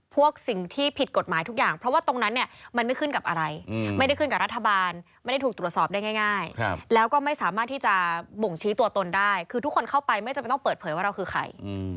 พวกสิ่งที่ผิดกฎหมายทุกอย่างเพราะว่าตรงนั้นเนี่ยมันไม่ขึ้นกับอะไรไม่ได้ขึ้นกับรัฐบาลไม่ได้ถูกตรวจสอบได้ง่ายแล้วก็ไม่สามารถที่จะบ่งชี้ตัวตนได้คือทุกคนเข้าไปไม่จำเป็นต้องเปิดเผยว่าเราคือใคร